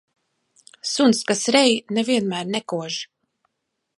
Suns, kas rej, ne vienmēr nekož.